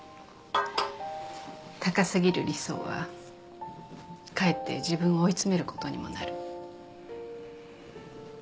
高過ぎる理想はかえって自分を追い詰めることにもなる。